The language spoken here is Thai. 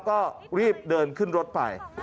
ก็รีบเดินขึ้นรถไป